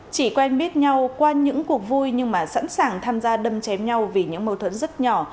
chỉ quen biết nhau qua những cuộc vui nhưng mà sẵn sàng tham gia đâm chém nhau vì những mâu thuẫn rất nhỏ